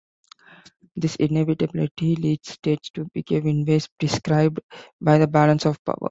This inevitably leads states to behave in ways prescribed by the balance of power.